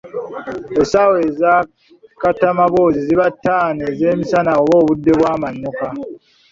Essaawa eza katamaboosi ziba ttaano ez’emisana oba obudde bw’amannyuka.